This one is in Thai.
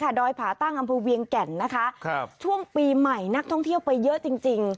ดอยผาตั้งอำเภอเวียงแก่นนะคะครับช่วงปีใหม่นักท่องเที่ยวไปเยอะจริงจริง